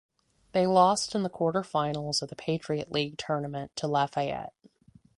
They lost in the quarterfinals of the Patriot League Tournament to Lafayette.